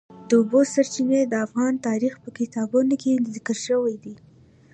د اوبو سرچینې د افغان تاریخ په کتابونو کې ذکر شوی دي.